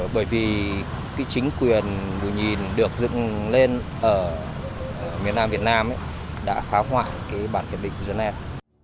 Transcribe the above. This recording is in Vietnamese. bởi vì chính quyền bùi nhìn được dựng lên ở miền nam việt nam đã phá hoại bản hiệp định geneva